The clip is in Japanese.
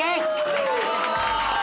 お願いします。